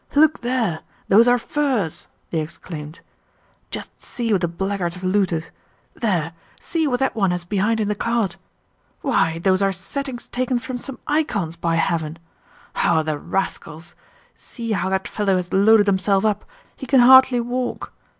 Look there, those are furs!" they exclaimed. "Just see what the blackguards have looted.... There! See what that one has behind in the cart.... Why, those are settings taken from some icons, by heaven!... Oh, the rascals!... See how that fellow has loaded himself up, he can hardly walk!